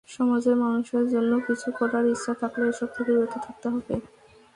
সমাজের মানুষের জন্য কিছু করার ইচ্ছা থাকলে এসব থেকে বিরত থাকতে হবে।